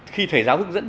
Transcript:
khi thầy giáo hướng dẫn